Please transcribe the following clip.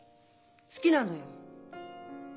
好きなのよ。